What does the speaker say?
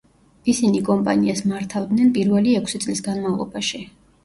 ისინი კომპანიას მართავდნენ პირველი ექვსი წლის განმავლობაში.